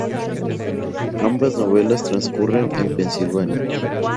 Ambas novelas transcurren en Pensilvania.